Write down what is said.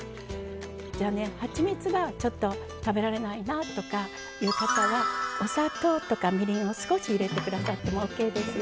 はちみつがちょっと食べられないなという方はお砂糖とか、みりんを少し入れてくださってもオーケーですよ。